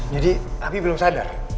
jadi abimanyo belum sadar